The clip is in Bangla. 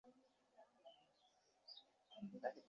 তিনি তাকে ক্রিকেট খেলায় উদ্বুদ্ধ করতে প্রয়াস চালান ও সফলকাম হন।